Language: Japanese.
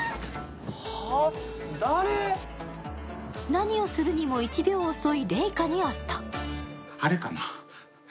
何をするにも１秒遅いレイカにあった。